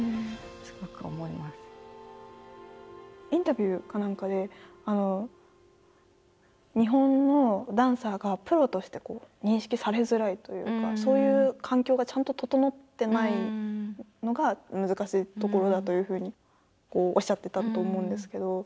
インタビューか何かで日本のダンサーがプロとして認識されづらいというかそういう環境がちゃんと整ってないのが難しいところだというふうにおっしゃってたと思うんですけど。